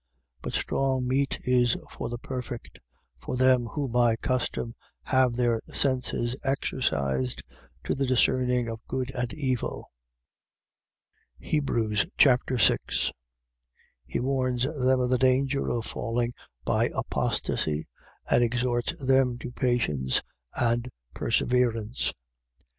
But strong meat is for the perfect: for them who by custom have their senses exercised to the discerning of good and evil. Hebrews Chapter 6 He warns them of the danger of falling by apostasy and exhorts them to patience and perseverance. 6:1.